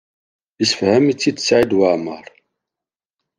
Yessefhem-it-id Saɛid Waɛmaṛ.